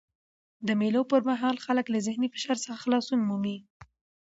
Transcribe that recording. د مېلو پر مهال خلک له ذهني فشار څخه خلاصون مومي.